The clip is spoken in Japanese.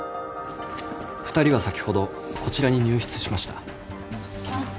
２人は先ほどこちらに入室しました。